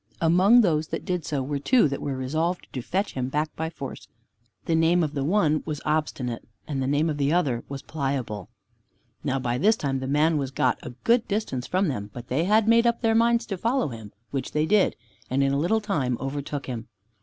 Among those that did so were two that were resolved to fetch him back by force. The name of the one was Obstinate, and the name of the other was Pliable. Now by this time the man was got a good distance from them, but they had made up their minds to follow him, which they did, and in a little time overtook him.